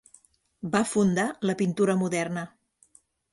Va fundar la pintura moderna.